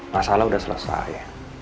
masalah udah selesai